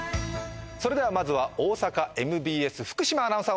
それではまずは大阪ＭＢＳ福島アナウンサー